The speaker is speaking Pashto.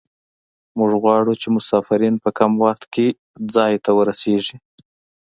موږ غواړو چې مسافرین په کم وخت کې ځای ته ورسیږي